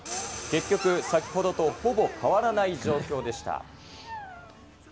結局、先ほどとほぼ変わらない状況でした。